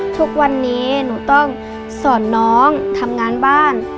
ทุกวันนี้หนูต้องสอนน้องทำงานบ้าน